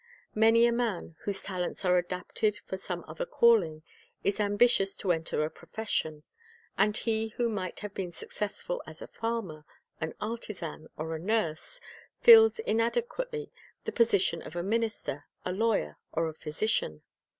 Man) a man whose talents are adapted for some other calling, is ambitious to enter a profession; and he who might have been successful as a farmer, an artisan, or a nurse, fills inadequately the position of a minister, a lawyer, or a physician.